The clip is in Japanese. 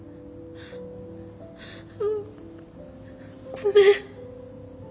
ごめん。